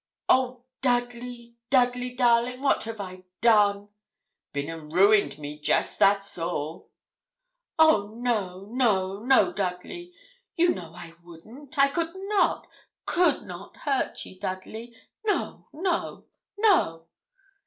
'Oh, Dudley, Dudley, darling! what have I done?' 'Bin and ruined me, jest that's all.' 'Oh! no, no, no, Dudley. Ye know I wouldn't. I could not could not hurt ye, Dudley. No, no, no!'